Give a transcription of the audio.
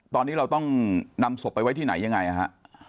ตอนนี้เราต้องนำศพไปไว้ที่ไหนยังไงฮะ